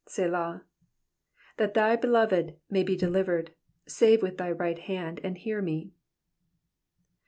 Selah. 5 That thy beloved may be delivered ; save with thy right hand, and hear me.